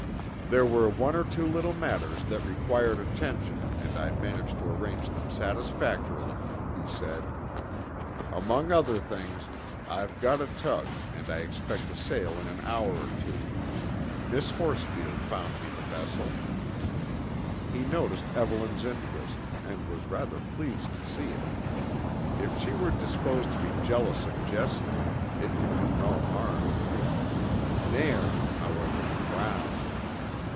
"There were one or two little matters that required attention, and I managed to arrange them satisfactorily," he said. "Among other things, I've got a tug and I expect to sail in an hour or two. Miss Horsfield found me the vessel." He noticed Evelyn's interest, and was rather pleased to see it. If she were disposed to be jealous of Jessie, it could do no harm. Nairn, however, frowned.